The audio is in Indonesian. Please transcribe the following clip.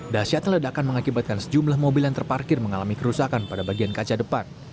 dasyat ledakan mengakibatkan sejumlah mobil yang terparkir mengalami kerusakan pada bagian kaca depan